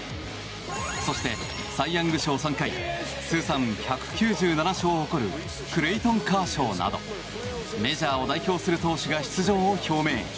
そしてサイ・ヤング賞３回通算１９７勝を誇るクレイトン・カーショーなどメジャーを代表する投手が出場を表明。